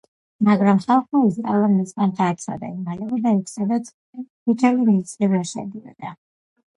მაგრამ ხალხმა ისწავლა მისგან დაცვა და იმალებოდა იქ, სადაც ყვითელი ნისლი ვერ შედიოდა.